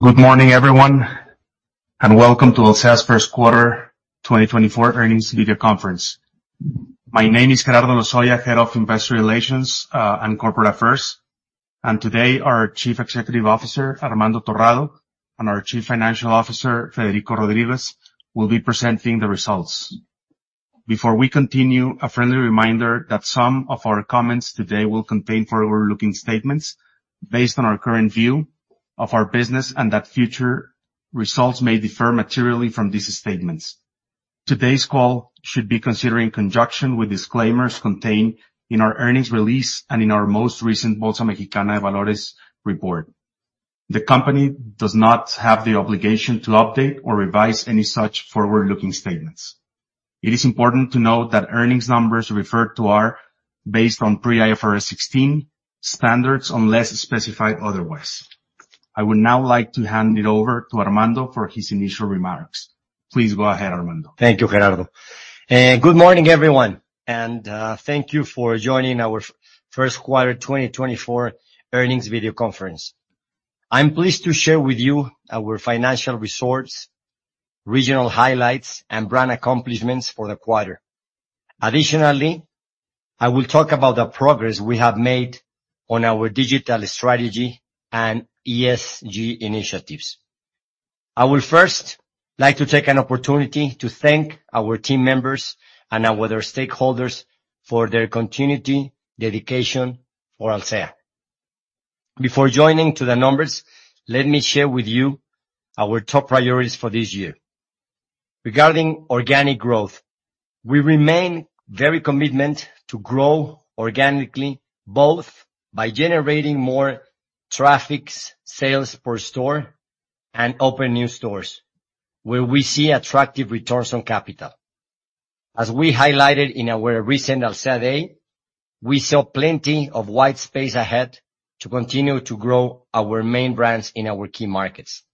Good morning, everyone, and welcome to Alsea's Q1 2024 earnings video conference. My name is Gerardo Lozoya, Head of Investor Relations, and Corporate Affairs, and today our Chief Executive Officer, Armando Torrado, and our Chief Financial Officer, Federico Rodríguez, will be presenting the results. Before we continue, a friendly reminder that some of our comments today will contain forward-looking statements based on our current view of our business, and that future results may differ materially from these statements. Today's call should be considered in conjunction with disclaimers contained in our earnings release and in our most recent Bolsa Mexicana de Valores report. The company does not have the obligation to update or revise any such forward-looking statements. It is important to note that earnings numbers referred to are based on pre-IFRS 16 standards, unless specified otherwise. I would now like to hand it over to Armando for his initial remarks. Please go ahead, Armando. Thank you, Gerardo. Good morning, everyone, and thank you for joining our Q1 2024 earnings video conference. I'm pleased to share with you our financial results, regional highlights, and brand accomplishments for the quarter. Additionally, I will talk about the progress we have made on our digital strategy and ESG initiatives. I will first like to take an opportunity to thank our team members and our other stakeholders for their continued dedication to Alsea. Before getting to the numbers, let me share with you our top priorities for this year. Regarding organic growth, we remain very committed to grow organically, both by generating more traffic, sales per store, and open new stores where we see attractive returns on capital. As we highlighted in our recent Alsea Day, we saw plenty of white space ahead to continue to grow our main brands in our key markets.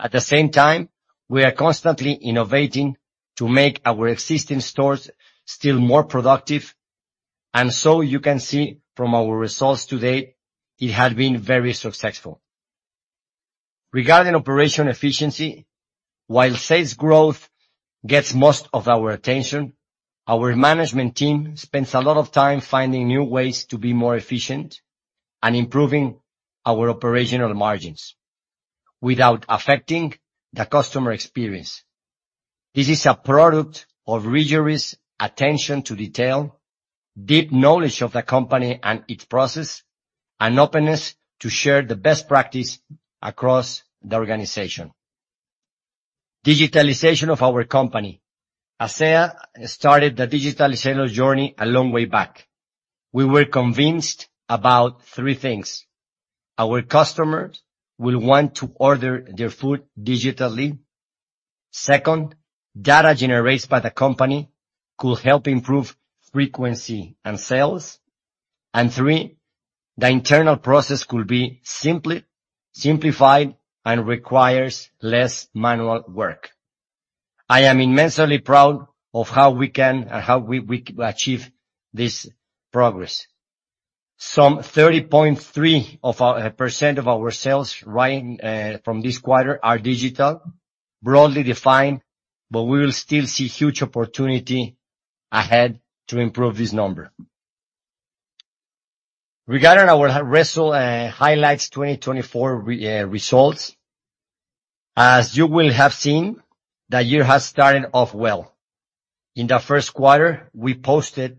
At the same time, we are constantly innovating to make our existing stores still more productive, and so you can see from our results today, it had been very successful. Regarding operation efficiency, while sales growth gets most of our attention, our management team spends a lot of time finding new ways to be more efficient and improving our operational margins without affecting the customer experience. This is a product of rigorous attention to detail, deep knowledge of the company and its process, and openness to share the best practice across the organization. Digitalization of our company. Alsea started the digitalization journey a long way back. We were convinced about three things: Our customers will want to order their food digitally. Second, data generated by the company could help improve frequency and sales. And three, the internal process could be simplified and requires less manual work. I am immensely proud of how we can, and how we achieve this progress. Some 30.3% of our sales right from this quarter are digital, broadly defined, but we will still see huge opportunity ahead to improve this number. Regarding our 2024 highlights, 2024 results, as you will have seen, the year has started off well. In the Q1, we posted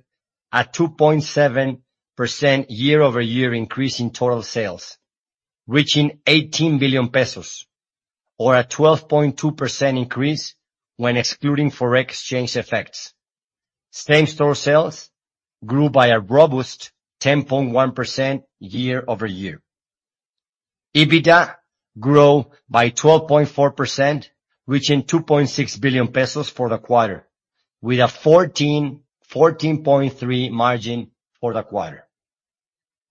a 2.7% year-over-year increase in total sales, reaching 18 billion pesos, or a 12.2% increase when excluding forex exchange effects. Same-store sales grew by a robust 10.1% year-over-year. EBITDA grew by 12.4%, reaching 2.6 billion pesos for the quarter, with a 14.3% margin for the quarter.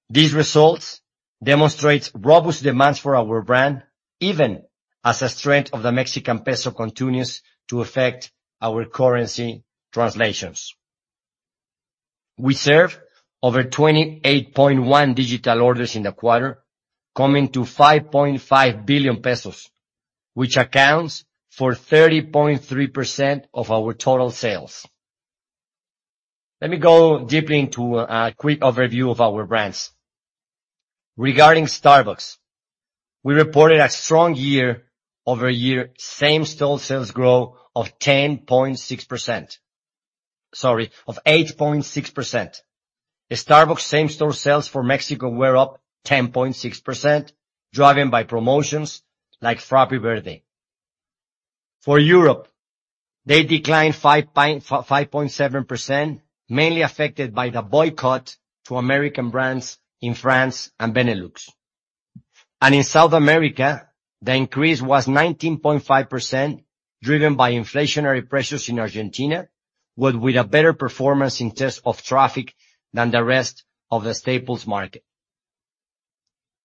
These results demonstrates robust demands for our brand, even as the strength of the Mexican peso continues to affect our currency translations. We served over 28.1 digital orders in the quarter, coming to 5.5 billion pesos, which accounts for 30.3% of our total sales. Let me go deeply into a quick overview of our brands. Regarding Starbucks, we reported a strong year-over-year same-store sales growth of 10.6%... Sorry, of 8.6%. Starbucks same-store sales for Mexico were up 10.6%, driven by promotions like Frappy Birthday. For Europe, they declined 5.7%, mainly affected by the boycott to American brands in France and Benelux. In South America, the increase was 19.5%, driven by inflationary pressures in Argentina, but with a better performance in terms of traffic than the rest of the Staples market.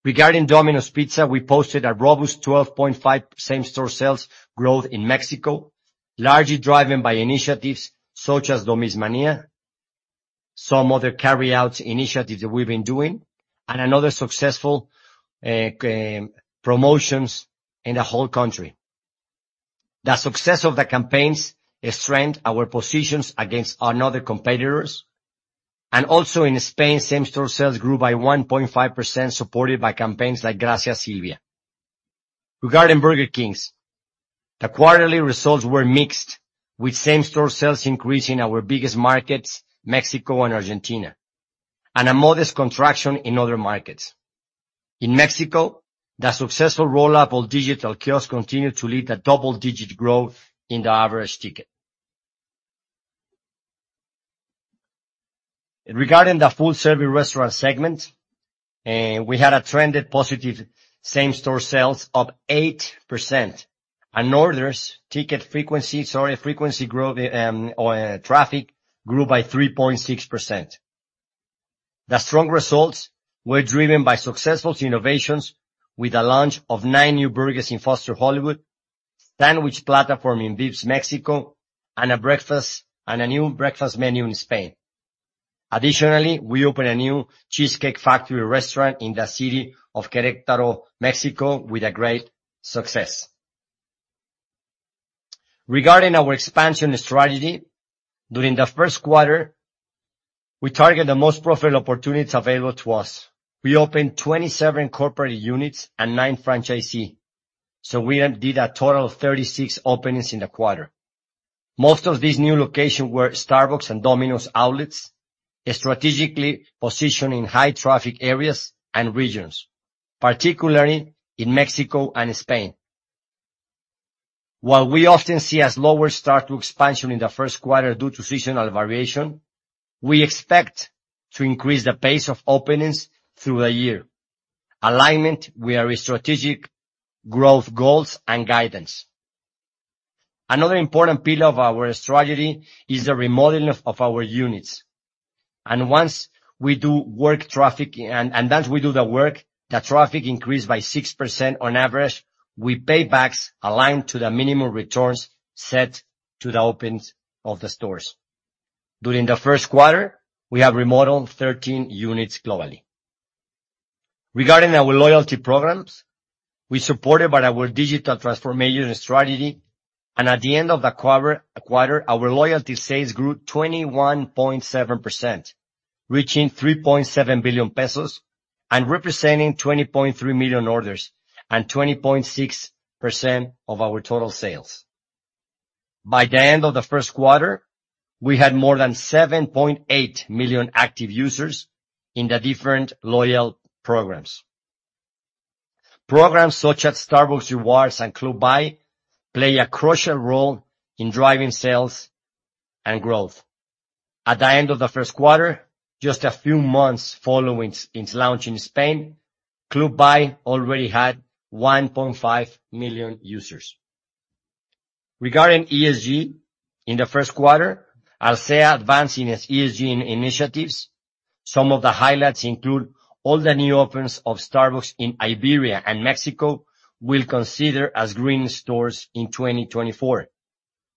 Regarding Domino's Pizza, we posted a robust 12.5 same-store sales growth in Mexico, largely driven by initiatives such as Domismania-... some other carry out initiatives that we've been doing, and another successful promotions in the whole country. The success of the campaigns has strengthened our positions against our other competitors, and also in Spain, same-store sales grew by 1.5%, supported by campaigns like Gracias Silvia. Regarding Burger Kings, the quarterly results were mixed, with same-store sales increasing our biggest markets, Mexico and Argentina, and a modest contraction in other markets. In Mexico, the successful rollout of digital kiosks continued to lead the double-digit growth in the average ticket. Regarding the full-service restaurant segment, we had a trended positive same-store sales up 8%, and orders, ticket frequency, sorry, frequency growth, traffic grew by 3.6%. The strong results were driven by successful innovations with the launch of 9 new burgers in Foster's Hollywood, sandwich platform in Vips Mexico, and a breakfast, and a new breakfast menu in Spain. Additionally, we opened a new Cheesecake Factory restaurant in the city of Querétaro, Mexico, with a great success. Regarding our expansion strategy, during the Q1, we targeted the most profitable opportunities available to us. We opened 27 corporate units and 9 franchisee, so we did a total of 36 openings in the quarter. Most of these new locations were Starbucks and Domino's outlets, strategically positioned in high traffic areas and regions, particularly in Mexico and Spain. While we often see a slower start to expansion in the Q1 due to seasonal variation, we expect to increase the pace of openings through the year, alignment with our strategic growth goals and guidance. Another important pillar of our strategy is the remodeling of our units, and once we do the work, the traffic increased by 6% on average, with paybacks aligned to the minimum returns set to the openings of the stores. During the Q1, we have remodeled 13 units globally. Regarding our loyalty programs, we're supported by our digital transformation strategy, and at the end of the quarter, our loyalty sales grew 21.7%, reaching 3.7 billion pesos, and representing 20.3 million orders, and 20.6% of our total sales. By the end of the Q1, we had more than 7.8 million active users in the different loyalty programs. Programs such as Starbucks Rewards and Club Vips play a crucial role in driving sales and growth. At the end of the Q1, just a few months following its, its launch in Spain, Club Vips already had 1.5 million users. Regarding ESG, in the Q1, Alsea advanced in its ESG initiatives. Some of the highlights include all the new openings of Starbucks in Iberia and Mexico will consider as green stores in 2024.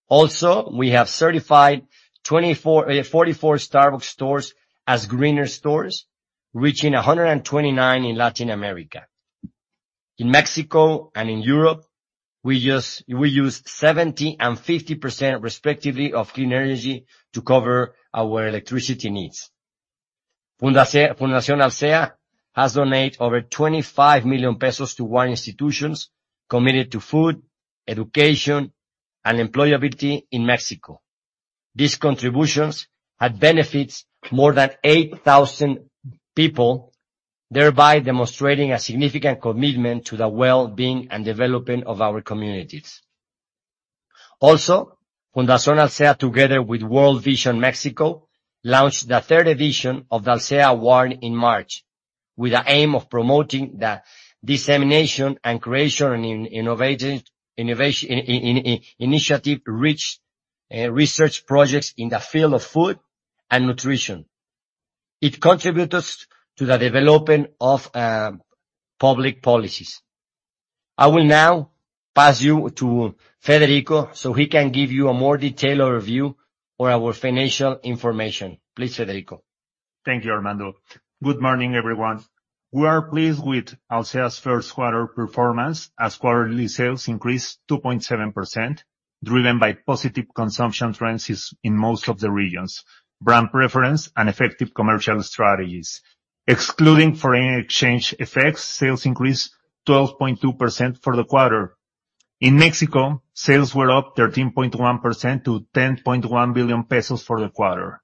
Also, we have certified 24, 44 Starbucks stores as greener stores, reaching 129 in Latin America. In Mexico and in Europe, we use 70% and 50%, respectively, of clean energy to cover our electricity needs. Fundación Alsea has donated over 25 million pesos to one institutions committed to food, education, and employability in Mexico. These contributions had benefits more than 8,000 people, thereby demonstrating a significant commitment to the well-being and development of our communities. Fundación Alsea, together with World Vision Mexico, launched the third edition of the Alsea Award in March, with the aim of promoting the dissemination and creation of innovative initiatives rich in research projects in the field of food and nutrition. It contributes to the development of public policies. I will now pass you to Federico, so he can give you a more detailed overview on our financial information. Please, Federico. Thank you, Armando. Good morning, everyone. We are pleased with Alsea's Q1 performance, as quarterly sales increased 2.7%, driven by positive consumption trends in most of the regions, brand preference, and effective commercial strategies. Excluding foreign exchange effects, sales increased 12.2% for the quarter. In Mexico, sales were up 13.1% to 10.1 billion pesos for the quarter.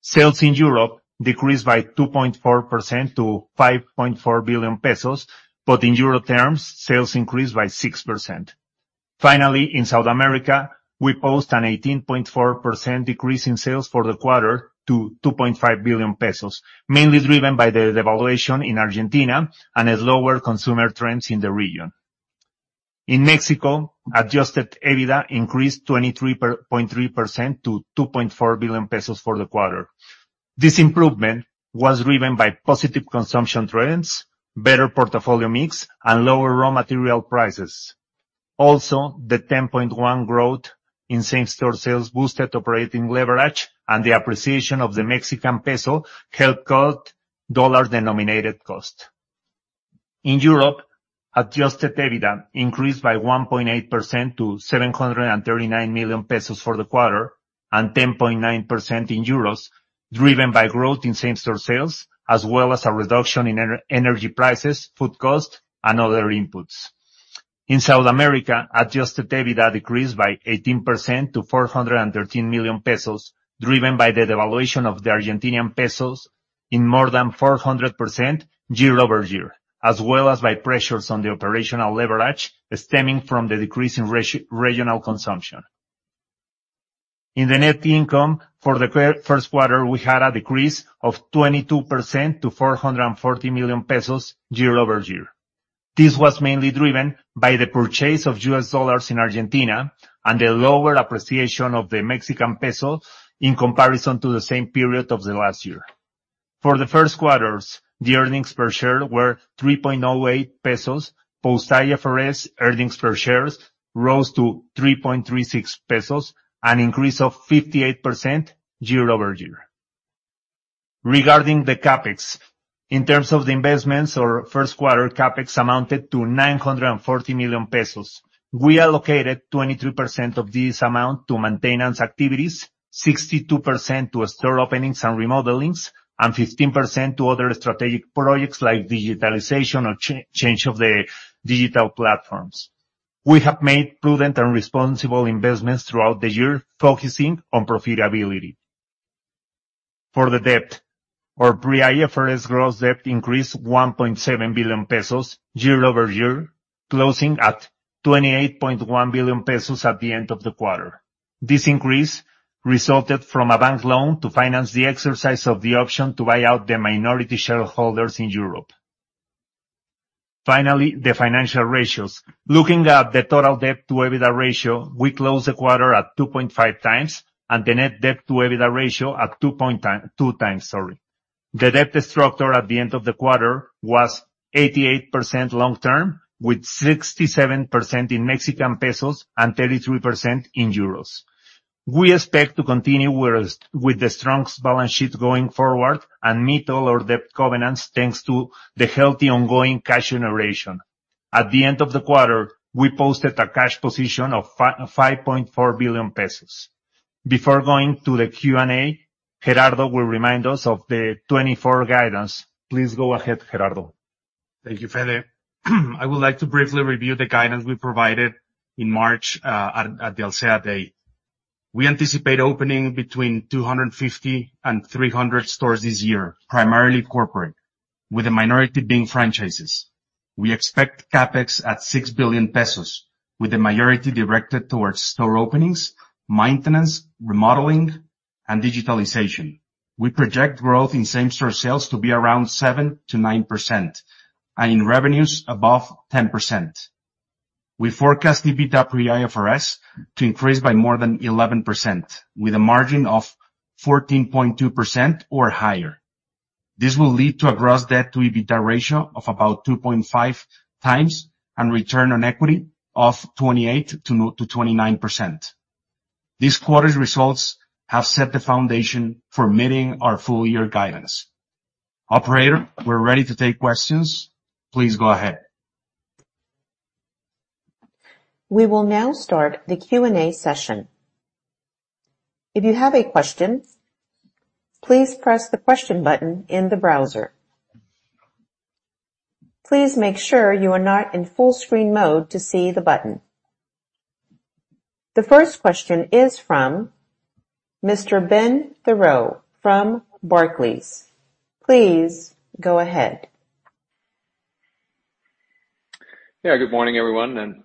Sales in Europe decreased by 2.4% to 5.4 billion pesos, but in Euro terms, sales increased by 6%. Finally, in South America, we posted an 18.4% decrease in sales for the quarter to 2.5 billion pesos, mainly driven by the devaluation in Argentina and lower consumer trends in the region. In Mexico, adjusted EBITDA increased 23.3% to 2.4 billion pesos for the quarter. This improvement was driven by positive consumption trends, better portfolio mix, and lower raw material prices. Also, the 10.1% growth in same-store sales boosted operating leverage, and the appreciation of the Mexican peso helped cut dollar-denominated cost. In Europe, adjusted EBITDA increased by 1.8% to 739 million pesos for the quarter, and 10.9% in euros, driven by growth in same-store sales, as well as a reduction in energy prices, food costs, and other inputs. In South America, adjusted EBITDA decreased by 18% to 413 million pesos, driven by the devaluation of the Argentine pesos in more than 400% year-over-year, as well as by pressures on the operational leverage stemming from the decrease in regional consumption. In the net income for the Q1, we had a decrease of 22% to 440 million pesos year over year. This was mainly driven by the purchase of US dollars in Argentina and the lower appreciation of the Mexican peso in comparison to the same period of the last year. For the Q1s, the earnings per share were 3.08 pesos. Post-IFRS earnings per shares rose to 3.36 pesos, an increase of 58% year over year. Regarding the CapEx, in terms of the investments, our Q1 CapEx amounted to 940 million pesos. We allocated 23% of this amount to maintenance activities, 62% to store openings and remodelings, and 15% to other strategic projects like digitalization or change of the digital platforms. We have made prudent and responsible investments throughout the year, focusing on profitability. For the debt, our pre-IFRS gross debt increased 1.7 billion pesos year-over-year, closing at 28.1 billion pesos at the end of the quarter. This increase resulted from a bank loan to finance the exercise of the option to buy out the minority shareholders in Europe. Finally, the financial ratios. Looking at the total debt to EBITDA ratio, we closed the quarter at 2.5 times, and the net debt to EBITDA ratio at two times, sorry. The debt structure at the end of the quarter was 88% long-term, with 67% in Mexican pesos and 33% in euros. We expect to continue with the strong balance sheet going forward and meet all our debt covenants, thanks to the healthy, ongoing cash generation. At the end of the quarter, we posted a cash position of 5.4 billion pesos. Before going to the Q&A, Gerardo will remind us of the 2024 guidance. Please go ahead, Gerardo. Thank you, Fede. I would like to briefly review the guidance we provided in March at the Alsea Day. We anticipate opening between 250 and 300 stores this year, primarily corporate, with the minority being franchises. We expect CapEx at 6 billion pesos, with the majority directed towards store openings, maintenance, remodeling, and digitalization. We project growth in same-store sales to be around 7%-9% and in revenues above 10%. We forecast EBITDA pre-IFRS to increase by more than 11%, with a margin of 14.2% or higher. This will lead to a gross debt to EBITDA ratio of about 2.5 times and return on equity of 28%-29%. This quarter's results have set the foundation for meeting our full year guidance. Operator, we're ready to take questions. Please go ahead. We will now start the Q&A session. If you have a question, please press the Question button in the browser. Please make sure you are not in full screen mode to see the button. The first question is from Mr. Benjamin Theurer from Barclays. Please go ahead. Yeah, good morning, everyone, and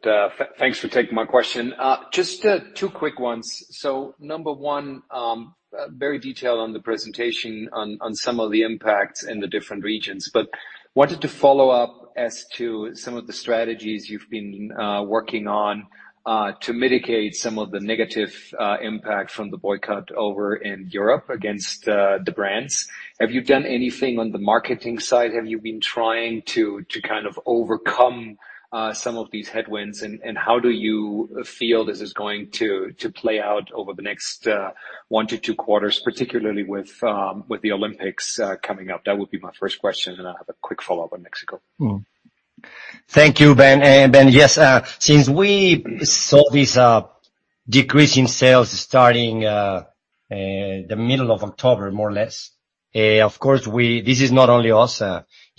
thanks for taking my question. Just two quick ones. So number one, very detailed on the presentation on some of the impacts in the different regions. But wanted to follow up as to some of the strategies you've been working on to mitigate some of the negative impact from the boycott over in Europe against the brands. Have you done anything on the marketing side? Have you been trying to kind of overcome some of these headwinds? And how do you feel this is going to play out over the next one to two quarters, particularly with the Olympics coming up? That would be my first question, and I have a quick follow-up on Mexico. Mm-hmm. Thank you, Ben. Ben, yes, since we saw this decrease in sales starting the middle of October, more or less, of course, we... This is not only us,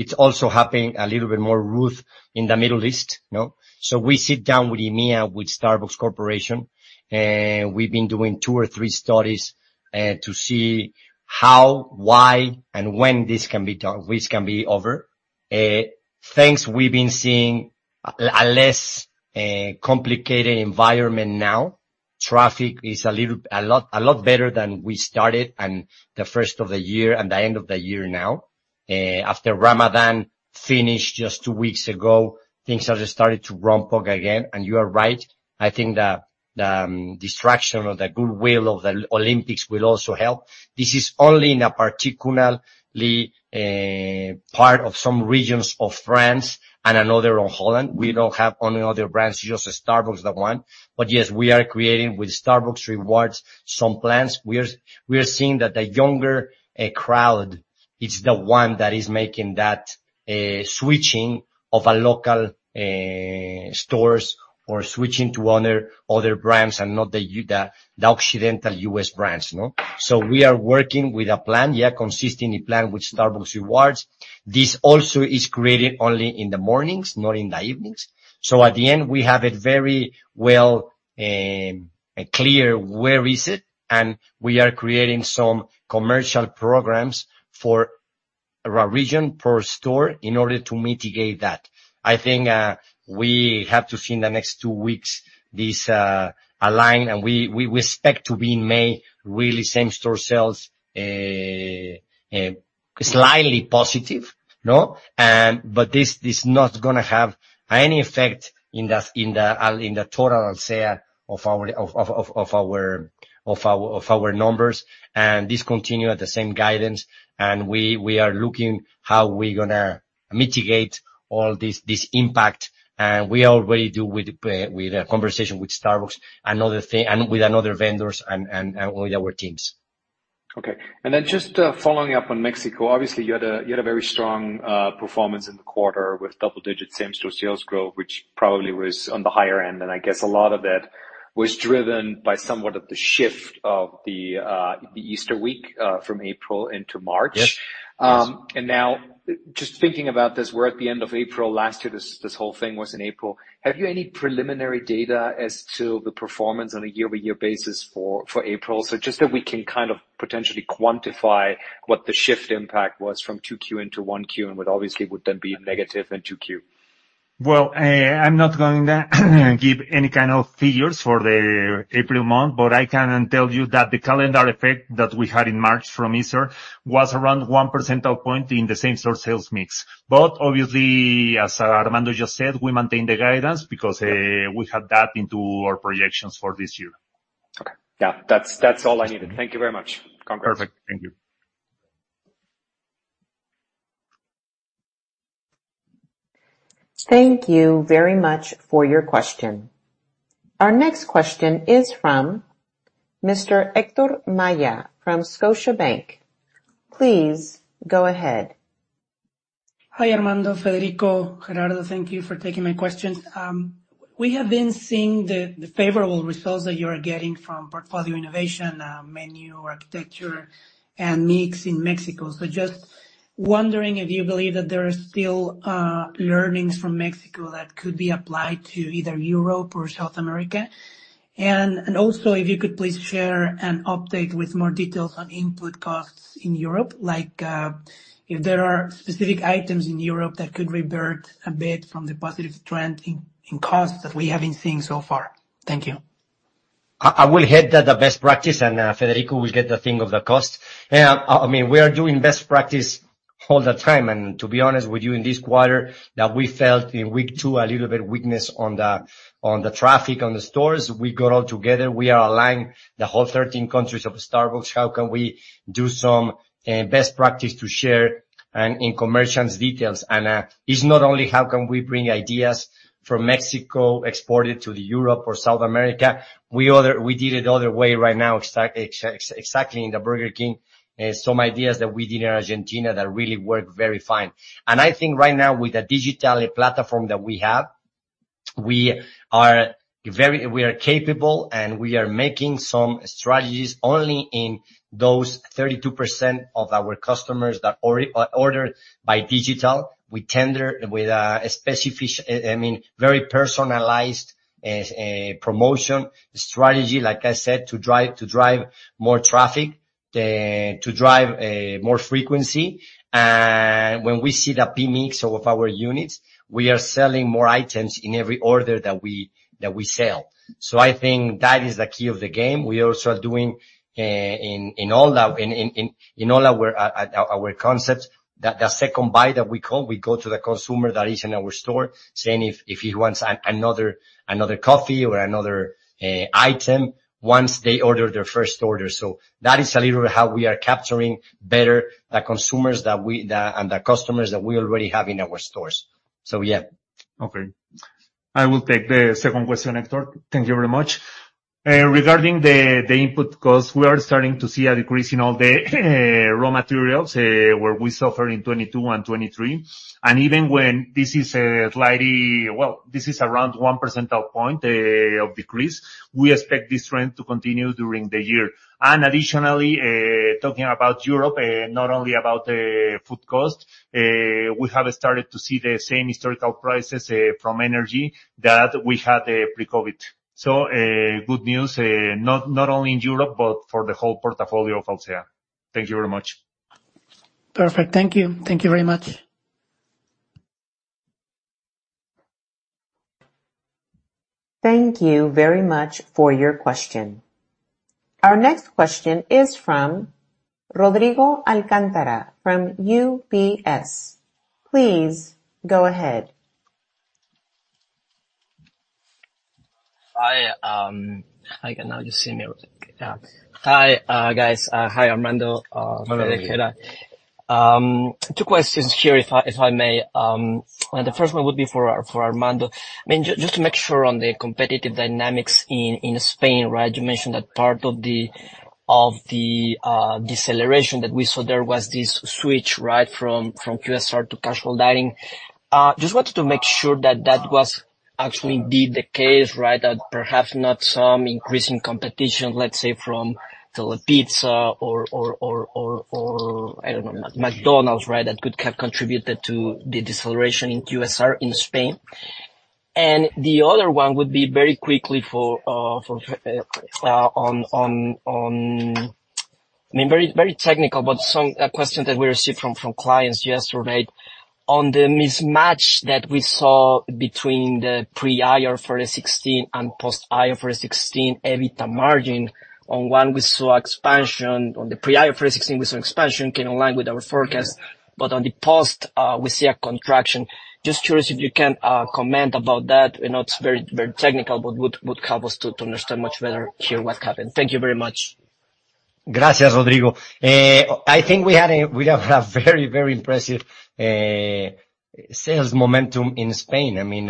it's also happening a little bit more rough in the Middle East, you know? So we sit down with EMEA, with Starbucks Corporation, we've been doing two or three studies to see how, why, and when this can be done, this can be over. Things we've been seeing, a less complicated environment now. Traffic is a lot better than we started, and the first of the year and the end of the year now. After Ramadan finished just two weeks ago, things are just starting to ramp up again. And you are right, I think that-... distraction of the goodwill of the Olympics will also help. This is only in a particularly part of some regions of France and another on Holland. We don't have any other brands, just Starbucks, that one. But yes, we are creating with Starbucks Rewards, some plans. We are, we are seeing that the younger crowd is the one that is making that switching of a local stores or switching to other, other brands and not the the Occidental US brands, no? So we are working with a plan, yeah, consistently plan with Starbucks Rewards. This also is created only in the mornings, not in the evenings. So at the end, we have it very well clear, where is it, and we are creating some commercial programs for our region, per store, in order to mitigate that. I think, we have to see in the next two weeks this, align, and we, we expect to be in May, really same-store sales, slightly positive, no? But this, this is not gonna have any effect in the, in the, in the total share of our, of, of, of our, of our, of our numbers. And this continue at the same guidance, and we, we are looking how we're gonna mitigate all this, this impact. And we already do with, with a conversation with Starbucks, another thing, and with another vendors and, and, and with our teams. Okay. And then just following up on Mexico. Obviously, you had a very strong performance in the quarter with double-digit same-store sales growth, which probably was on the higher end, and I guess a lot of that was driven by somewhat of the shift of the Easter week from April into March. Yes. Yes. Now just thinking about this, we're at the end of April. Last year, this, this whole thing was in April. Have you any preliminary data as to the performance on a year-over-year basis for April? So just that we can kind of potentially quantify what the shift impact was from 2Q into 1Q, and what obviously would then be negative in 2Q. Well, I'm not going to give any kind of figures for the April month, but I can tell you that the calendar effect that we had in March from Easter was around one percentage point in the same-store sales mix. But obviously, as Armando just said, we maintain the guidance because we had that into our projections for this year. Okay. Yeah, that's, that's all I needed. Thank you very much. Congrats. Perfect. Thank you. Thank you very much for your question. Our next question is from Mr. Héctor Maya from Scotiabank. Please go ahead. Hi, Armando, Federico, Gerardo, thank you for taking my questions. We have been seeing the favorable results that you are getting from portfolio innovation, menu architecture, and mix in Mexico. So just wondering if you believe that there are still learnings from Mexico that could be applied to either Europe or South America? And also, if you could please share an update with more details on input costs in Europe, like if there are specific items in Europe that could revert a bit from the positive trend in costs that we have been seeing so far. Thank you. I will head the best practice, and Federico will get the thing of the cost. I mean, we are doing best practice all the time, and to be honest with you, in this quarter that we felt in week 2 a little bit weakness on the traffic on the stores. We got all together. We are aligning the whole 13 countries of Starbucks. How can we do some best practice to share and in commercial details? It's not only how can we bring ideas from Mexico, export it to Europe or South America. We did it other way right now, exactly in Burger King, some ideas that we did in Argentina that really worked very fine. I think right now, with the digital platform that we have, we are very capable, and we are making some strategies only in those 32% of our customers that order by digital. We target with a specific, I mean, very personalized, promotion strategy, like I said, to drive more traffic, to drive more frequency. And when we see the PMMIX of our units, we are selling more items in every order that we sell. So I think that is the key of the game. We also are doing in all our concepts that the second buy that we call, we go to the consumer that is in our store, saying if he wants another coffee or another item, once they order their first order. So that is a little how we are capturing better the consumers that we and the customers that we already have in our stores. So, yeah. Okay. I will take the second question, Héctor. Thank you very much. Regarding the input costs, we are starting to see a decrease in all the raw materials where we suffer in 2022 and 2023. And even when this is slightly, well, this is around one percentage point of decrease, we expect this trend to continue during the year. And additionally, talking about Europe, not only about the food cost, we have started to see the same historical prices from energy that we had pre-COVID. So, good news, not only in Europe, but for the whole portfolio of Alsea. Thank you very much. Perfect. Thank you. Thank you very much. Thank you very much for your question. Our next question is from Rodrigo Alcántara from UBS. Please go ahead. Hi, I can now just see me. Yeah. Hi, guys. Hi, Armando, Federico. Two questions here if I may. The first one would be for Armando. I mean, just to make sure on the competitive dynamics in Spain, right? You mentioned that part of the deceleration that we saw there was this switch, right, from QSR to casual dining. Just wanted to make sure that that was actually indeed the case, right? That perhaps not some increasing competition, let's say, from delivery pizza or, I don't know, McDonald's, right, that could have contributed to the deceleration in QSR in Spain. The other one would be very quickly for on... I mean, very, very technical, but a question that we received from clients yesterday. On the mismatch that we saw between the pre-IFRS 16 and post-IFRS 16 EBITDA margin. On one we saw expansion, on the pre-IFRS 16 we saw expansion came in line with our forecast, but on the post, we see a contraction. Just curious if you can comment about that. I know it's very, very technical, but would help us to understand much better here what happened. Thank you very much. Gracias, Rodrigo. I think we have a very, very impressive sales momentum in Spain. I mean,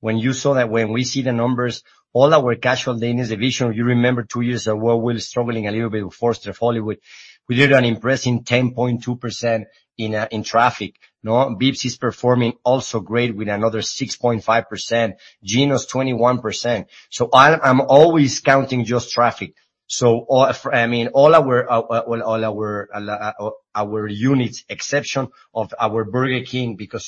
when you saw that, when we see the numbers, all our casual dining division, you remember two years ago, we were struggling a little bit with Foster's Hollywood. We did an impressive 10.2% in traffic, no? Vips is performing also great with another 6.5%, Gino's 21%. So I'm always counting just traffic. So all, I mean, all our, well, all our units, exception of our Burger King, because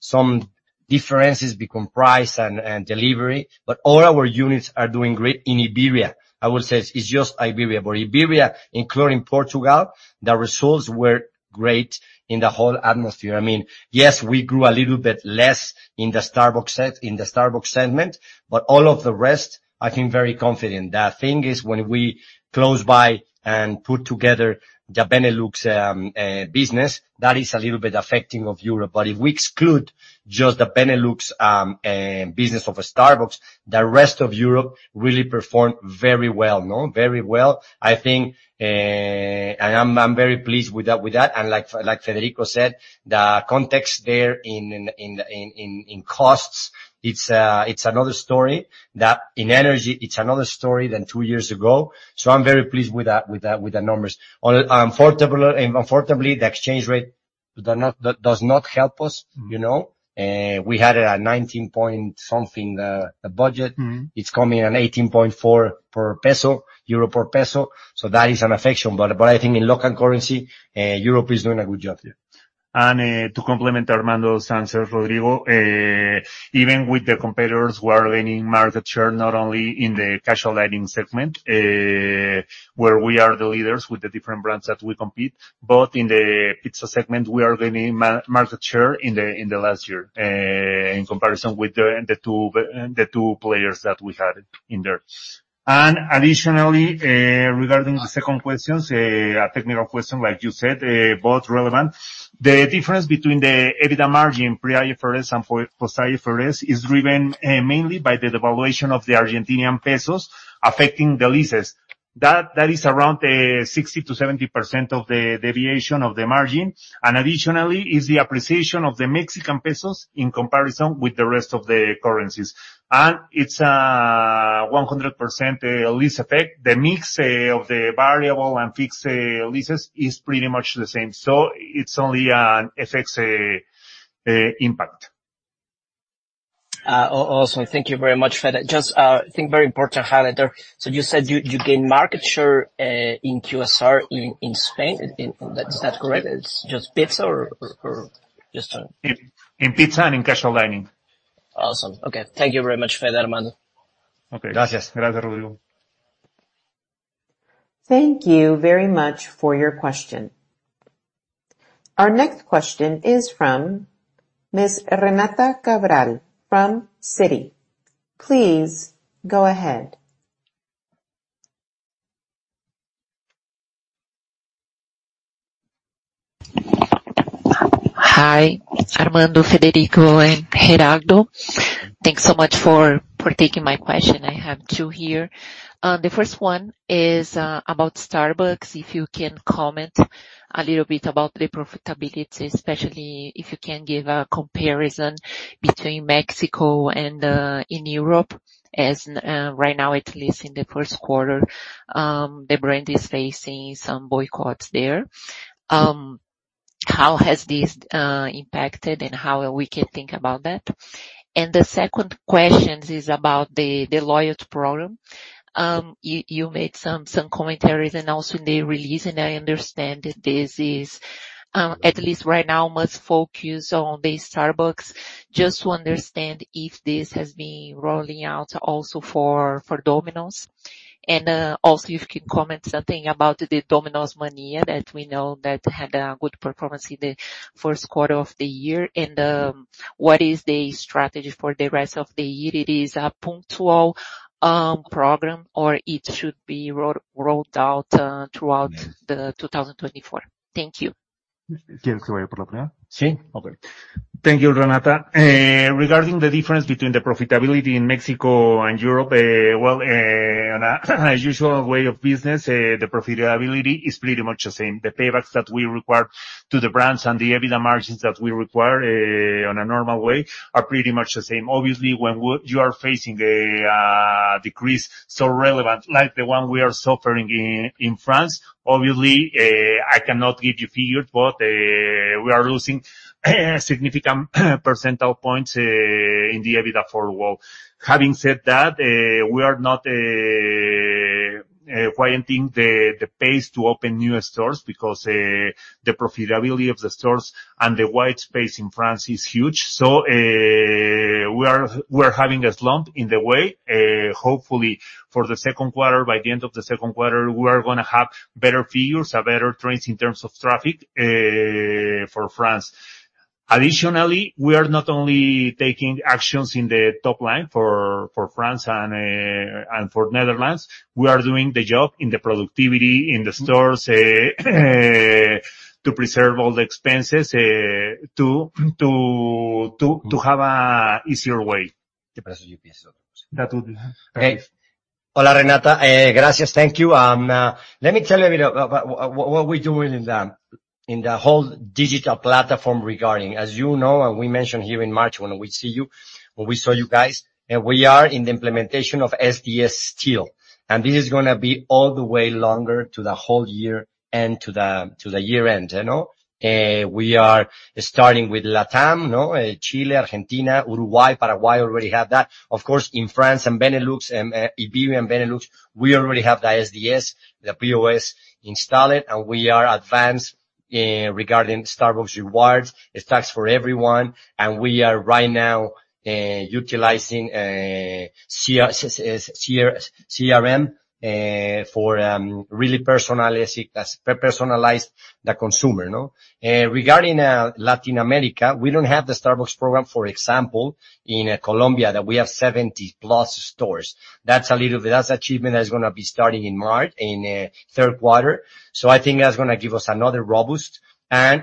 some differences become price and delivery, but all our units are doing great in Iberia. I would say it's just Iberia. But Iberia, including Portugal, the results were great in the whole atmosphere. I mean, yes, we grew a little bit less in the Starbucks segment, but all of the rest, I feel very confident. The thing is, when we close by and put together the Benelux business, that is a little bit affecting of Europe. But if we exclude just the Benelux business of Starbucks, the rest of Europe really performed very well, no? Very well. I think, and I'm very pleased with that, with that. And like Federico said, the context there in costs, it's another story. That in energy, it's another story than two years ago. So I'm very pleased with the numbers. Unfortunately, the exchange rate does not help us, you know? We had it at 19 point something, the budget. Mm-hmm. It's coming in at 18.4 euro per peso, so that is an effect. But I think in local currency, Europe is doing a good job. To complement Armando's answers, Rodrigo, even with the competitors who are gaining market share, not only in the casual dining segment, where we are the leaders with the different brands that we compete. Both in the pizza segment, we are gaining market share in the last year, in comparison with the two players that we had in there. And additionally, regarding the second questions, a technical question like you said, both relevant. The difference between the EBITDA margin, pre-IFRS and post-IFRS, is driven mainly by the devaluation of the Argentine pesos affecting the leases. That is around 60%-70% of the deviation of the margin, and additionally, is the appreciation of the Mexican pesos in comparison with the rest of the currencies.It's 100% lease effect. The mix of the variable and fixed leases is pretty much the same. It's only affects impact. Also, thank you very much, Fede. Just, I think very important to highlight there. So you said you gained market share in QSR, in Spain. Is that correct? It's just pizza or just- In pizza and in casual dining. Awesome. Okay, thank you very much, Fede, Armando. Okay. Gracias. Gracias, Rodrigo. Thank you very much for your question. Our next question is from Ms. Renata Cabral from Citi. Please go ahead. Hi, Armando, Federico, and Gerardo. Thanks so much for taking my question. I have two here. The first one is about Starbucks. If you can comment a little bit about the profitability, especially if you can give a comparison between Mexico and in Europe, as right now, at least in the Q1, the brand is facing some boycotts there. How has this impacted and how we can think about that? And the second question is about the loyalty program. You made some commentaries and also the release, and I understand that this is at least right now must focus on the Starbucks. Just to understand if this has been rolling out also for Domino's. Also, if you could comment something about the Domismania, that we know that had a good performance in the Q1 of the year. What is the strategy for the rest of the year? It is a punctual program, or it should be rolled out throughout 2024? Thank you. Do you want me to go first? Sí. Okay. Thank you, Renata. Regarding the difference between the profitability in Mexico and Europe, well, on a usual way of business, the profitability is pretty much the same. The paybacks that we require to the brands and the EBITDA margins that we require, on a normal way, are pretty much the same. Obviously, when you are facing a decrease so relevant like the one we are suffering in France, obviously, I cannot give you figures, but, we are losing significant percentage points in the EBITDA forward. Having said that, we are not slowing the pace to open new stores because the profitability of the stores and the white space in France is huge. So, we are, we're having a slump in the way, hopefully for the Q2, by the end of the Q2, we are gonna have better figures or better trends in terms of traffic for France. Additionally, we are not only taking actions in the top line for France and for Netherlands, we are doing the job in the productivity in the stores to preserve all the expenses to have a easier way. Do you want to say something? That would- Hey. Hola, Renata, gracias. Thank you. Let me tell you a bit about what we're doing in the whole digital platform regarding. As you know, and we mentioned here in March when we saw you guys, we are in the implementation of SDS still, and this is gonna be all the way longer to the whole year and to the year end, you know? We are starting with Latam, no, Chile, Argentina, Uruguay, Paraguay already have that. Of course, in France and Benelux, and Iberia and Benelux, we already have the SDS, the POS installed, and we are advanced regarding Starbucks Rewards. It stacks for everyone, and we are right now utilizing CRM for really personalizing the consumer, no? Regarding Latin America, we don't have the Starbucks program, for example, in Colombia, that we have 70-plus stores. That's a little, but that's achievement that is gonna be starting in March, in Q3. So I think that's gonna give us another robust. I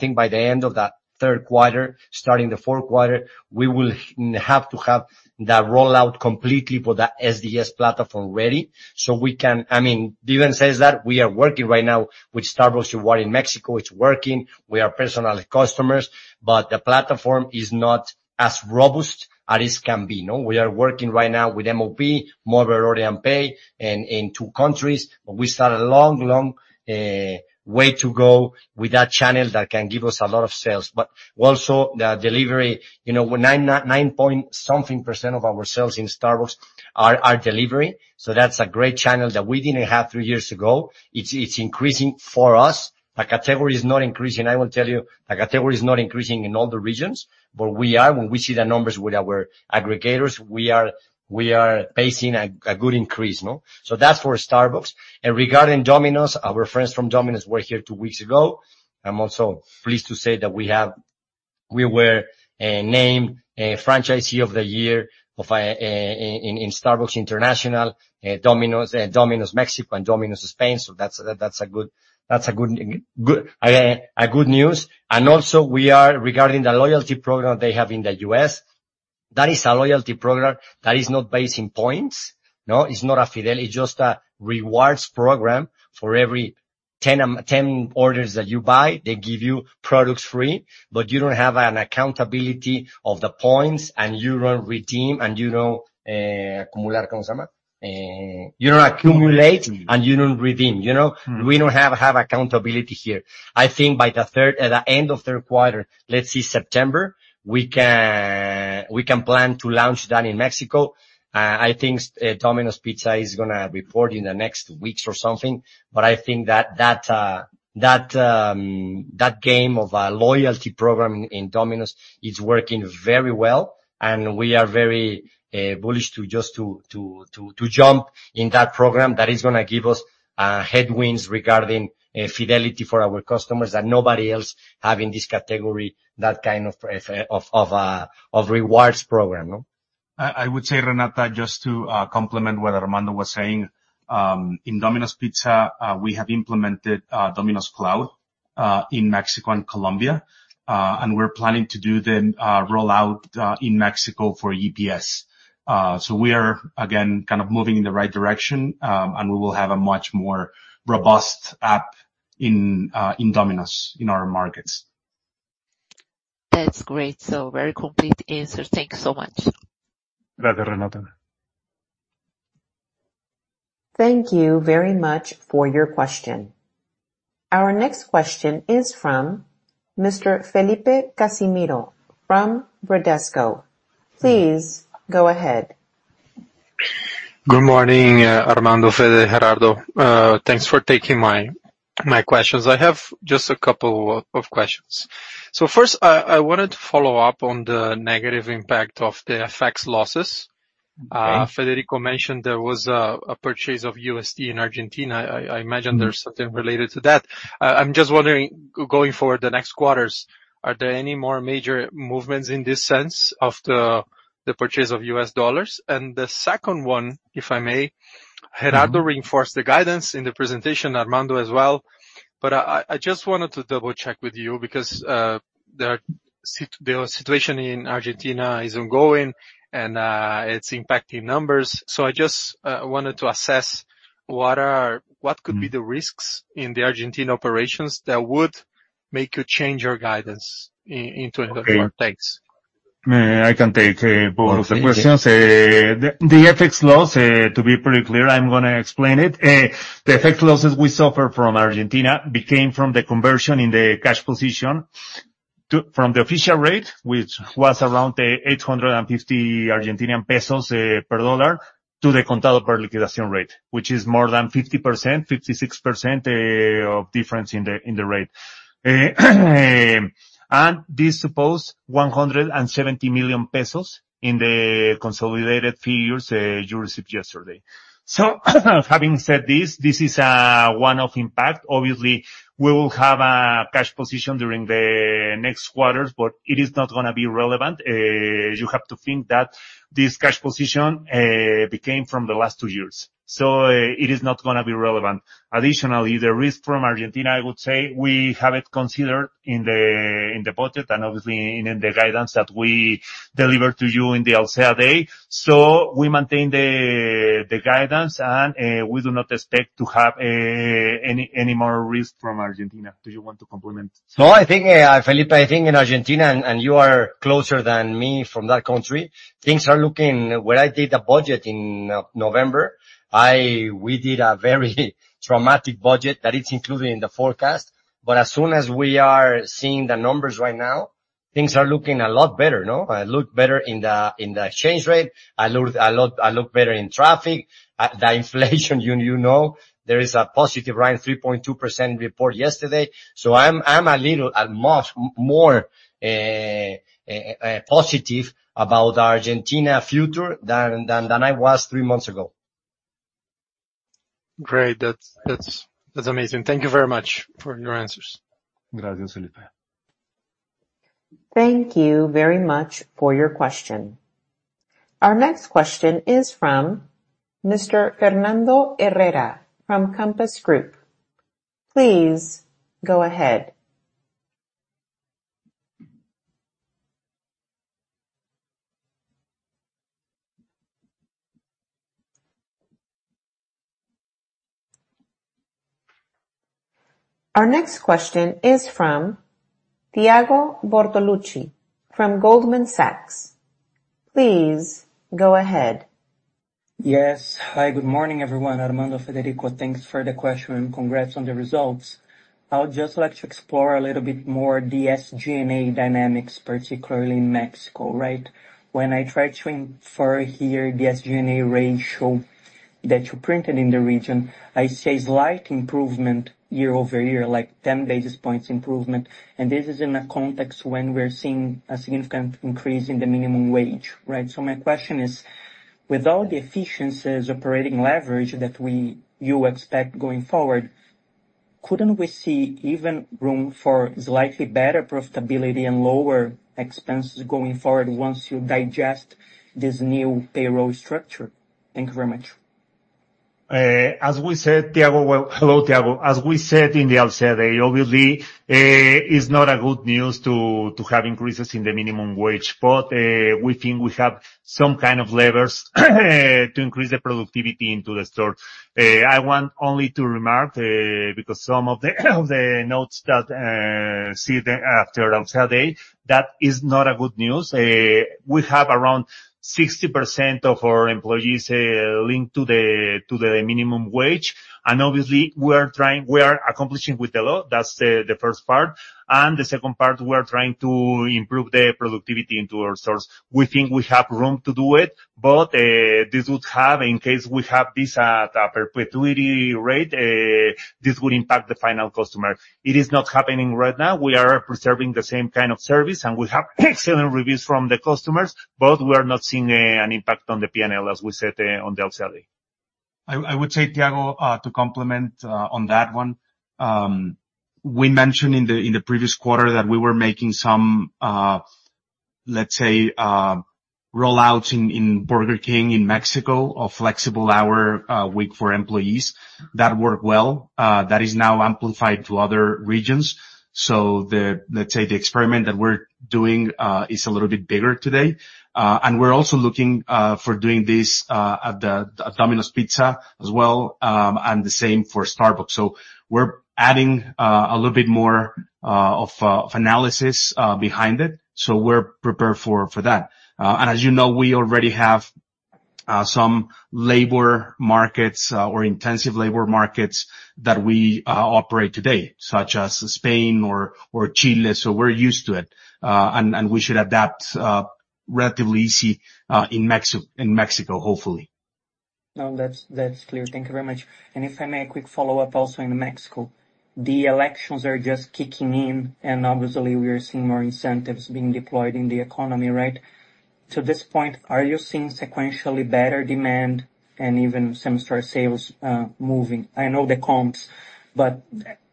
think by the end of the Q3, starting the Q4, we will have to have the rollout completely for the SDS platform ready, so we can—I mean, even since that, we are working right now with Starbucks Rewards in Mexico. It's working, we are personal customers, but the platform is not as robust as it can be, no? We are working right now with MOP, Mobile Order and Pay, in two countries. But we still a long, long way to go with that channel that can give us a lot of sales. But also the delivery, you know, when 9.9-something% of our sales in Starbucks are delivery, so that's a great channel that we didn't have three years ago. It's increasing for us. The category is not increasing. I will tell you, the category is not increasing in all the regions, but we are, when we see the numbers with our aggregators, we are pacing a good increase, no? So that's for Starbucks. And regarding Domino's, our friends from Domino's were here two weeks ago. I'm also pleased to say that we were named franchisee of the year in Starbucks International, Domino's Mexico and Domino's Spain. So that's a good, that's a good, a good news. And also, we are, regarding the loyalty program they have in the US, that is a loyalty program that is not based in points, no? It's not a fidel, it's just a rewards program. For every 10 orders that you buy, they give you products free, but you don't have an accountability of the points, and you don't redeem, and you don't acumular, ¿cómo se llama? You don't accumulate, and you don't redeem, you know? Mm. We don't have accountability here. I think by the end of the Q3, let's say September, we can plan to launch that in Mexico. I think Domino's Pizza is gonna report in the next weeks or something, but I think that game of a loyalty program in Domino's is working very well. And we are very bullish to jump in that program. That is gonna give us headwinds regarding fidelity for our customers, that nobody else have in this category, that kind of rewards program, no? I would say, Renata, just to complement what Armando was saying, in Domino's Pizza, we have implemented Domino's Cloud in Mexico and Colombia. And we're planning to do the rollout in Mexico for UPS. So we are, again, kind of moving in the right direction, and we will have a much more robust app in Domino's, in our markets. That's great. So very complete answer. Thank you so much. Gracias, Renata. Thank you very much for your question. Our next question is from Mr. Felipe Casimiro from Bradesco. Please go ahead. Good morning, Armando, Fede, Gerardo. Thanks for taking my questions. I have just a couple of questions. So first, I wanted to follow up on the negative impact of the FX losses. Okay. Federico mentioned there was a purchase of USD in Argentina. I imagine- Mm... there's something related to that. I'm just wondering, going forward, the next quarters, are there any more major movements in this sense of the purchase of US dollars? And the second one, if I may, Gerardo reinforced the guidance in the presentation, Armando as well, but I just wanted to double check with you because the situation in Argentina is ongoing, and it's impacting numbers. So I just wanted to assess what could be the risks in the Argentina operations that would make you change your guidance into the fourth? Thanks. I can take both of the questions. The FX loss, to be pretty clear, I'm gonna explain it. The FX losses we suffer from Argentina came from the conversion in the cash position to, from the official rate, which was around 850 pesos per dollar, to the Contado con Liquidación rate, which is more than 50%, 56% of difference in the rate. And this suppose 170 million pesos in the consolidated figures you received yesterday. So having said this, this is one of impact. Obviously, we will have a cash position during the next quarters, but it is not gonna be relevant. You have to think that this cash position came from the last two years, so it is not gonna be relevant. Additionally, the risk from Argentina, I would say, we have it considered in the budget and obviously in the guidance that we delivered to you in the Alsea Day. So we maintain the guidance, and we do not expect to have any more risk from Argentina. Do you want to complement? No, I think, Felipe, I think in Argentina, and you are closer than me from that country, things are looking. When I did the budget in November, we did a very traumatic budget that is included in the forecast. But as soon as we are seeing the numbers right now, things are looking a lot better, no? Look better in the exchange rate, a lot, a lot, a lot better in traffic. The inflation, you know, there is a positive run, 3.2% report yesterday, so I'm a little, a much more positive about Argentina future than I was three months ago. Great. That's amazing. Thank you very much for your answers. Gracias, Felipe. Thank you very much for your question. Our next question is from Mr. Fernando Herrera from Compass Group. Please go ahead. Our next question is from Thiago Bortoluci from Goldman Sachs. Please go ahead. Yes. Hi, good morning, everyone. Armando, Federico, thanks for the question, and congrats on the results. I would just like to explore a little bit more the SG&A dynamics, particularly in Mexico, right? When I try to infer here the SG&A ratio that you printed in the region, I see a slight improvement year over year, like 10 basis points improvement, and this is in a context when we're seeing a significant increase in the minimum wage, right? So my question is, with all the efficiencies operating leverage that you expect going forward, couldn't we see even room for slightly better profitability and lower expenses going forward once you digest this new payroll structure? Thank you very much. As we said, Thiago, well, hello, Thiago. As we said in the Alsea Day, obviously, it's not a good news to, to have increases in the minimum wage, but, we think we have some kind of levers, to increase the productivity into the store. I want only to remark, because some of the, of the notes that, we saw after Alsea Day, that is not a good news. We have around 60% of our employees, linked to the, to the minimum wage, and obviously we are trying—we are complying with the law. That's the, the first part, and the second part, we are trying to improve the productivity into our stores. We think we have room to do it, but this would have, in case we have this, at a perpetuity rate, this would impact the final customer. It is not happening right now. We are preserving the same kind of service, and we have excellent reviews from the customers, but we are not seeing an impact on the PNL, as we said, on the Alsea Day. I would say, Thiago, to complement on that one, we mentioned in the previous quarter that we were making some, let's say, rollouts in Burger King in Mexico, a flexible hour week for employees. That worked well, that is now amplified to other regions. So let's say, the experiment that we're doing is a little bit bigger today. And we're also looking for doing this at Domino's Pizza as well, and the same for Starbucks. So we're adding a little bit more of analysis behind it, so we're prepared for that. And as you know, we already have some labor-intensive markets that we operate today, such as Spain or Chile, so we're used to it. We should adapt relatively easy in Mexico, hopefully. No, that's, that's clear. Thank you very much. And if I may, a quick follow-up also in Mexico. The elections are just kicking in, and obviously we are seeing more incentives being deployed in the economy, right? To this point, are you seeing sequentially better demand and even same-store sales moving? I know the comps, but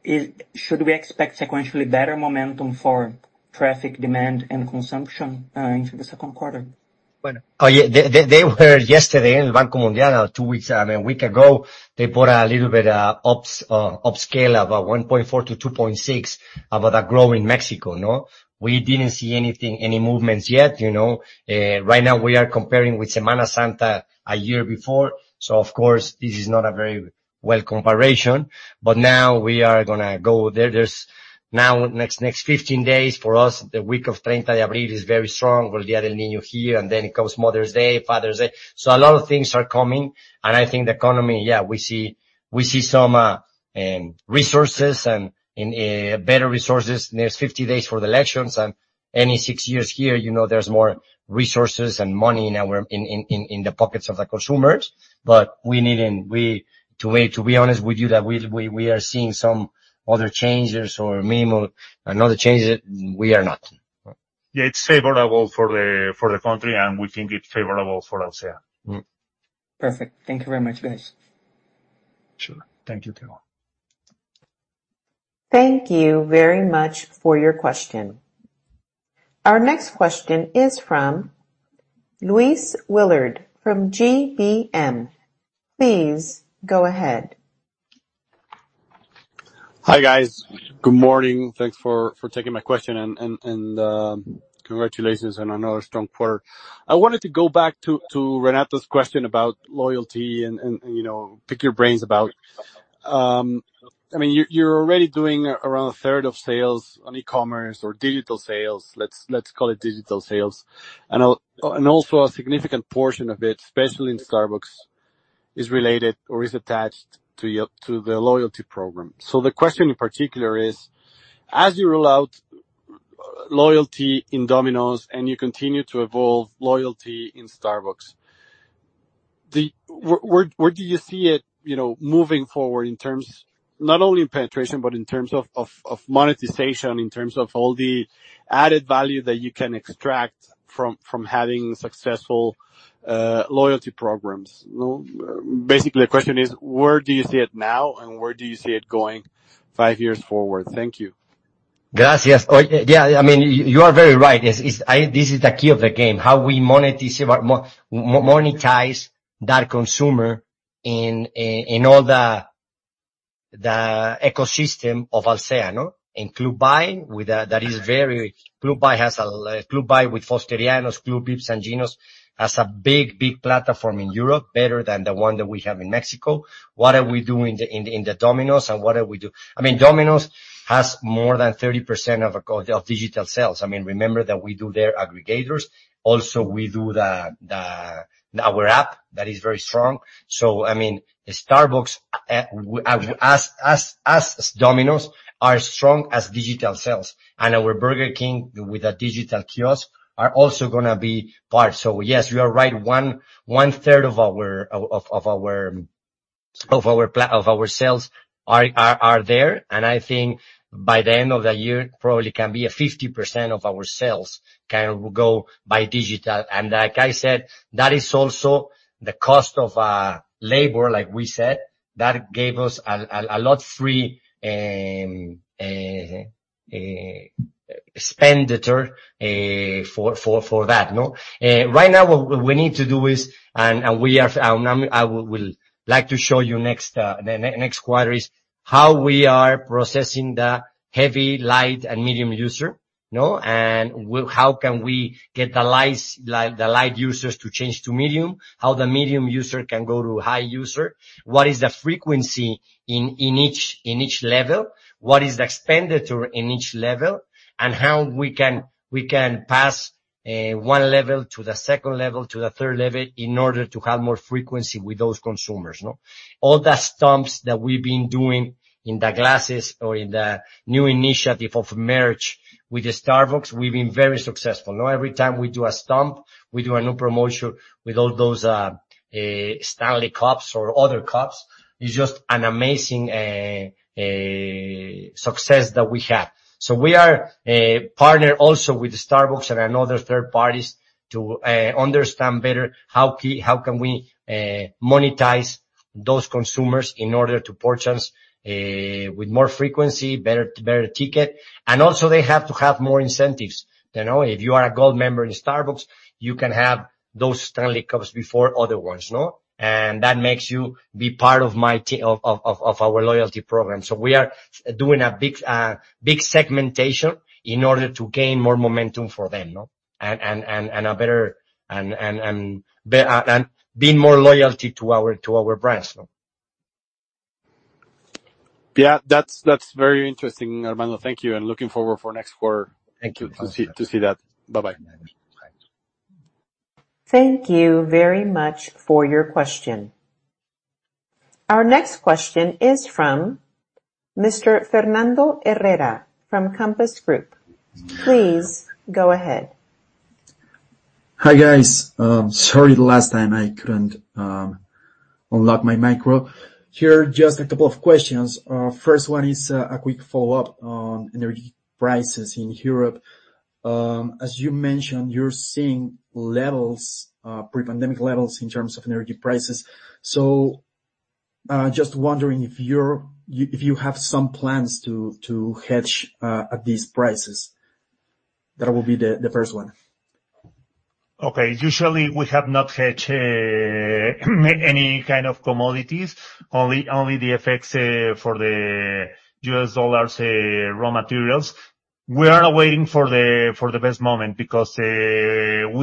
it... Should we expect sequentially better momentum for traffic demand and consumption into the Q2?... Oh, yeah, they were yesterday in Banco Mundial, two weeks, I mean, a week ago, they put a little bit, upscale, about 1.4-2.6, about the growth in Mexico, no? We didn't see anything, any movements yet, you know. Right now, we are comparing with Semana Santa a year before, so of course, this is not a very well comparison. But now we are gonna go there. There's now, next, next 15 days for us, the week of 30 de Abril is very strong. We'll get El Niño here, and then comes Mother's Day, Father's Day. So a lot of things are coming, and I think the economy, yeah, we see some resources and better resources. There's 50 days for the elections, and any six years here, you know, there's more resources and money in our—in the pockets of the consumers. But we need in... We—to be honest with you, that we are seeing some other changes or minimal and other changes, we are not. Yeah, it's favorable for the, for the country, and we think it's favorable for Alsea. Mm-hmm. Perfect. Thank you very much, guys. Sure. Thank you, Teo. Thank you very much for your question. Our next question is from Luis Willard from GBM. Please go ahead. Hi, guys. Good morning. Thanks for taking my question and congratulations on another strong quarter. I wanted to go back to Renata's question about loyalty and you know, pick your brains about... I mean, you're already doing around a third of sales on e-commerce or digital sales, let's call it digital sales. And also a significant portion of it, especially in Starbucks, is related or is attached to your loyalty program. So the question in particular is, as you roll out loyalty in Domino's, and you continue to evolve loyalty in Starbucks, where do you see it, you know, moving forward in terms of not only in penetration, but in terms of monetization, in terms of all the added value that you can extract from having successful loyalty programs, no? Basically, the question is: where do you see it now, and where do you see it going five years forward? Thank you. Gracias. Oh, yeah, I mean, you are very right. This is the key of the game, how we monetize that consumer in all the ecosystem of Alsea, no? In Club By, with that. Club By has a Club By with Fosterianos, Club Pizza Gino's, has a big, big platform in Europe, better than the one that we have in Mexico. What are we doing in the Domino's, and what are we do? I mean, Domino's has more than 30% of digital sales. I mean, remember that we do their aggregators. Also, we do our app, that is very strong. So, I mean, Starbucks, as Domino's, are strong as digital sales, and our Burger King, with a digital kiosk, are also gonna be part. So yes, you are right. 1/3 of our sales are there, and I think by the end of the year, probably 50% of our sales can go by digital. And like I said, that is also the cost of labor, like we said, that gave us a lot free expenditure for that, no? Right now, what we need to do is, and we are, I will like to show you next, the next quarter is how we are processing the heavy, light, and medium user, no? And how can we get the lights, like, the light users to change to medium, how the medium user can go to high user? What is the frequency in each level? What is the expenditure in each level? And how we can pass one level to the second level, to the third level, in order to have more frequency with those consumers, no? All the stunts that we've been doing in the glasses or in the new initiative of merch with Starbucks, we've been very successful, no? Every time we do a stunt, we do a new promotion with all those Stanley cups or other cups, it's just an amazing success that we have. So we are partnered also with Starbucks and other third parties to understand better how we can monetize those consumers in order to purchase with more frequency, better ticket. And also they have to have more incentives, you know? If you are a gold member in Starbucks, you can have those Stanley cups before other ones, no? And that makes you be part of my team of our loyalty program. So we are doing a big, big segmentation in order to gain more momentum for them, no? And a better and build more loyalty to our, to our brands, no. Yeah, that's, that's very interesting, Armando. Thank you, and looking forward for next quarter- Thank you. to see, to see that. Bye-bye. Thanks. Thank you very much for your question. Our next question is from Mr. Fernando Herrera from Compass Group. Please go ahead. Hi, guys. Sorry, last time I couldn't unlock my micro. Here, just a couple of questions. First one is a quick follow-up on energy prices in Europe. As you mentioned, you're seeing levels pre-pandemic levels in terms of energy prices. Just wondering if you have some plans to hedge at these prices. That will be the first one. Okay. Usually we have not hedged any kind of commodities, only the effects for the U.S. dollars raw materials. We are waiting for the best moment because we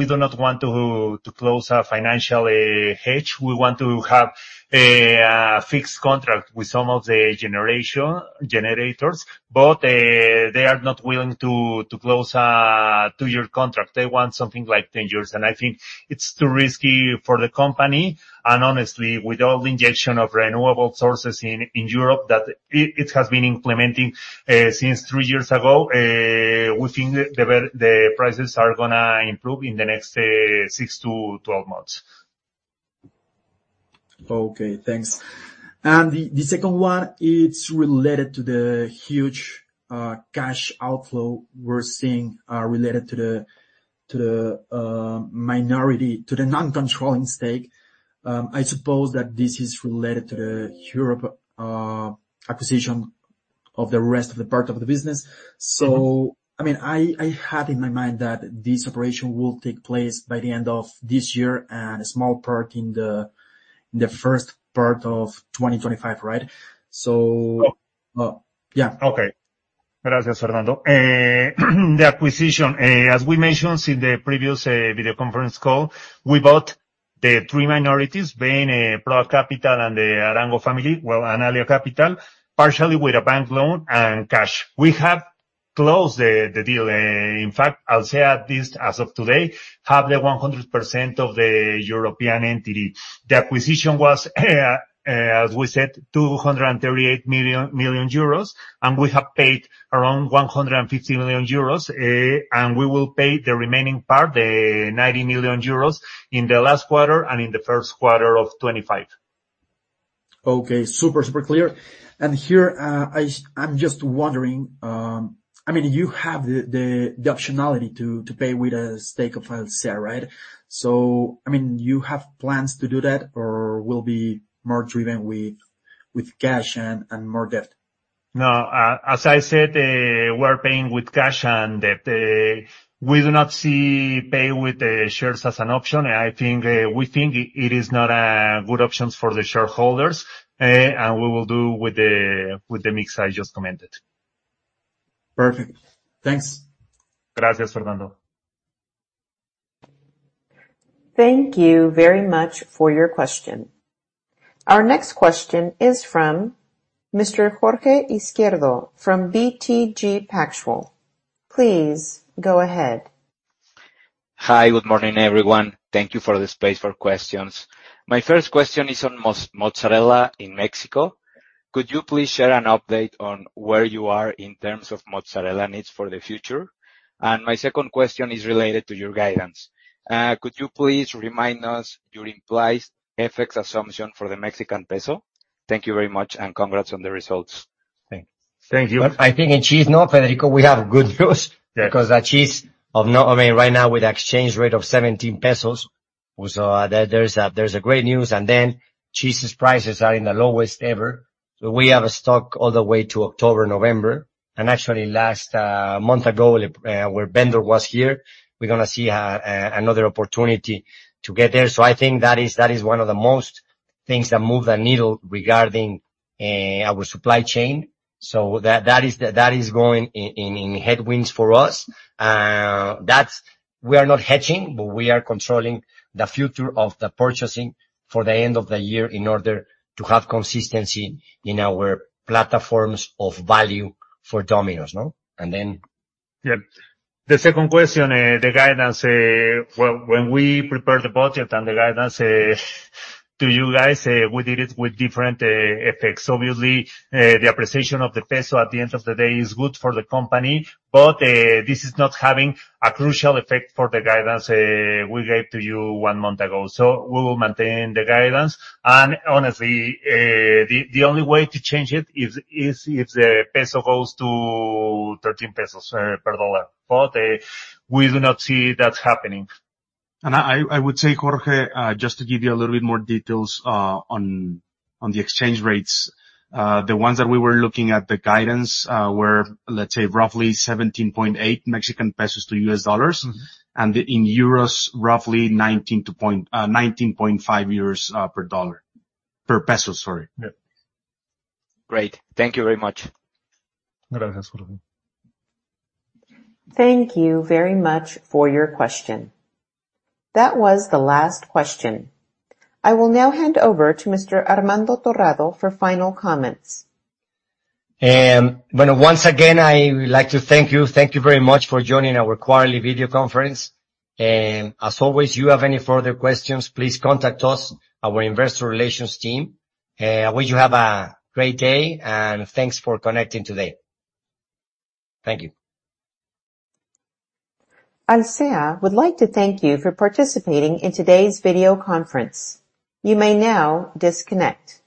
do not want to close a financial hedge. We want to have a fixed contract with some of the generators, but they are not willing to close a 2-year contract. They want something like 10 years, and I think it's too risky for the company. And honestly, with all the injection of renewable sources in Europe that it has been implementing since 3 years ago, we think the prices are gonna improve in the next 6-12 months. Okay, thanks. And the second one, it's related to the huge cash outflow we're seeing related to the minority to the non-controlling stake. I suppose that this is related to the Europe acquisition of the rest of the part of the business. Mm-hmm. So, I mean, I had in my mind that this operation will take place by the end of this year, and a small part in the first part of 2025, right? So- Oh. Uh, yeah. Okay. Gracias, Fernando. The acquisition, as we mentioned in the previous video Conference Call, we bought the three minorities, being ProA Capital and the Arango family, well, and Alia Capital, partially with a bank loan and cash. We have closed the deal, in fact, I'll say at least as of today, have the 100% of the European entity. The acquisition was, as we said, 238 million, and we have paid around 150 million euros, and we will pay the remaining part, the 90 million euros, in the last quarter and in the Q1 of 2025. Okay, super, super clear. And here, I'm just wondering, I mean, you have the optionality to pay with a stake of Alsea, right? So, I mean, you have plans to do that or will be more driven with cash and more debt? No, as I said, we're paying with cash and debt. We do not see pay with, shares as an option. I think, we think it, it is not a good options for the shareholders, and we will do with the, with the mix I just commented. Perfect. Thanks. Gracias, Fernando. Thank you very much for your question. Our next question is from Mr. Jorge Izquierdo from BTG Pactual. Please go ahead. Hi, good morning, everyone. Thank you for the space for questions. My first question is on mozzarella in Mexico. Could you please share an update on where you are in terms of mozzarella needs for the future? And my second question is related to your guidance. Could you please remind us your implied FX assumption for the Mexican peso? Thank you very much, and congrats on the results. Thank you. I think in Cheesecake, no, Federico, we have good news. Yeah. Because the cheese, no, I mean, right now with exchange rate of 17 pesos, so there, there's a great news, and then cheese's prices are in the lowest ever. So we have a stock all the way to October, November. And actually last month ago, where vendor was here, we're gonna see a another opportunity to get there. So I think that is one of the most things that move the needle regarding our supply chain. So that is going in headwinds for us. That's... We are not hedging, but we are controlling the future of the purchasing for the end of the year in order to have consistency in our platforms of value for Domino's, no? And then- Yeah. The second question, the guidance, well, when we prepare the budget and the guidance, to you guys, we did it with different, effects. Obviously, the appreciation of the peso at the end of the day is good for the company, but, this is not having a crucial effect for the guidance, we gave to you one month ago. So we will maintain the guidance. And honestly, the only way to change it is if the peso goes to 13 pesos per dollar, but, we do not see that happening. I would say, Jorge, just to give you a little bit more details on the exchange rates. The ones that we were looking at, the guidance, were, let's say, roughly 17.8 Mexican pesos to $1 USD. Mm-hmm. In euros, roughly 19-19.5 euros per dollar. Per peso, sorry. Yeah. Great. Thank you very much. Gracias, Jorge. Thank you very much for your question. That was the last question. I will now hand over to Mr. Armando Torrado for final comments. Once again, I would like to thank you. Thank you very much for joining our quarterly video conference. As always, you have any further questions, please contact us, our investor relations team. I wish you have a great day, and thanks for connecting today. Thank you. Alsea would like to thank you for participating in today's video conference. You may now disconnect.